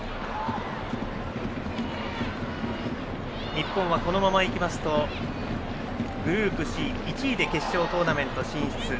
日本はこのままいきますとグループＣを１位で決勝トーナメント進出。